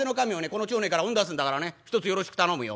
この町内から追ん出すんだからねひとつよろしく頼むよ。